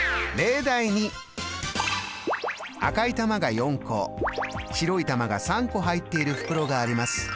赤い玉が４個白い玉が３個入っている袋があります。